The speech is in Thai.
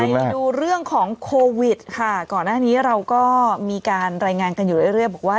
ไปดูเรื่องของโควิดค่ะก่อนหน้านี้เราก็มีการรายงานกันอยู่เรื่อยบอกว่า